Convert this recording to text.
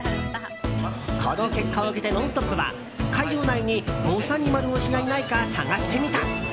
この結果を受けて「ノンストップ！」は会場内にぼさにまる推しがいないか探してみた。